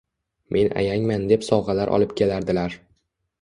Men ayangman deb sovg‘alar olib kelardilar